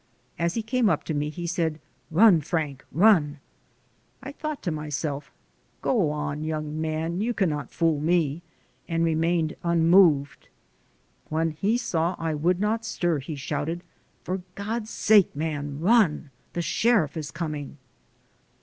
As he came up to me, he said, "Run, Frank, run!" I thought to myself, "Go on, young man, you cannot fool me," and remained unmoved. When he saw I would not stir he shouted: "For God's sake, man, run. The sheriff is coming."